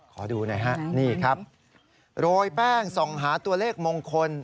ขอดูหน่อยฮะนี่ครับโรยแป้งส่องหาตัวเลขมงคล